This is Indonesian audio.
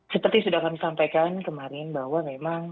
seperti sudah kami sampaikan kemarin bahwa memang